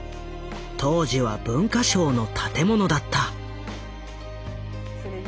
当時は文化省の建物だった。